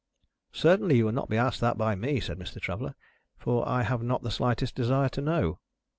"Certainly you will not be asked that by me," said Mr. Traveller, "for I have not the slightest desire to know."